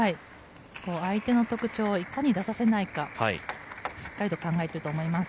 相手の特徴をいかに出させないか、しっかりと考えていると思います。